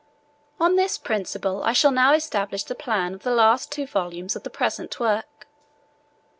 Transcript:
On this principle I shall now establish the plan of the last two volumes of the present work.